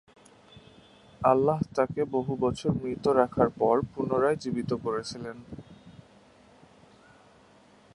আল্লাহ তাকে বহুবছর মৃত রাখার পর পুনয়ায় জীবিত করেছিলেন।